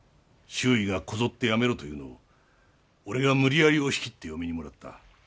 周囲がこぞってやめろと言うのを俺が無理やり押し切って嫁にもらった。